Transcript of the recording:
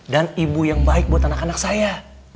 dan ibu yang baik buat anak anak saya